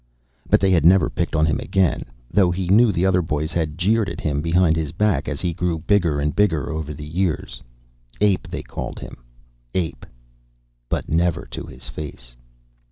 But they had never picked on him again, though he knew the other boys had jeered at him behind his back as he grew bigger and bigger over the years. "Ape," they called him. "Ape." But never to his face.